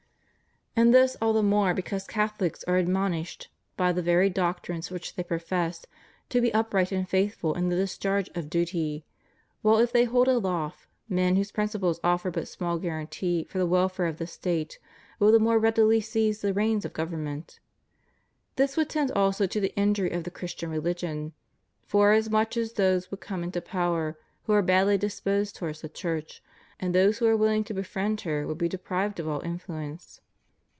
And this all the more because Catholics are admon ished, by the very doctrines which they profess, to be upright and faithful in the discharge of duty, while if they hold aloof, men whose principles offer but small guarantee for the welfare of the State will the more readily seize the reins of government. This would tend also to the injury of the Christian religion, forasmuch as those would come into power who are badly disposed towards the Church, and those who are willing to befriend her would be deprived of all influence.